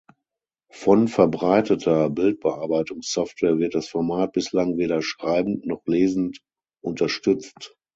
Von verbreiteter Bildbearbeitungs-Software wird das Format bislang weder schreibend noch lesend unterstützt.